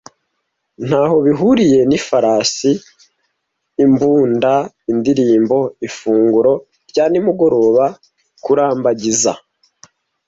Ntaho bihuriye nifarasi, imbunda, indirimbo, ifunguro rya nimugoroba, kurambagiza,